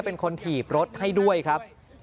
เป็นคนถีบรถให้ด้วยครับ